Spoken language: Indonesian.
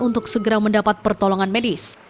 untuk segera mendapat pertolongan medis